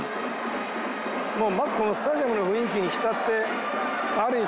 まずこのスタジアムの雰囲気に浸ってある意味